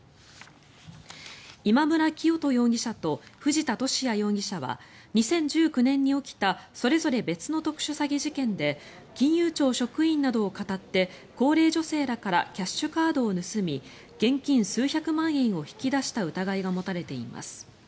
今村磨人容疑者と藤田聖也容疑者は２０１９年に起きたそれぞれ別の特殊詐欺事件で金融庁職員などをかたって高齢女性らからキャッシュカードを盗み現金数百万円を引き出した疑いが持たれています。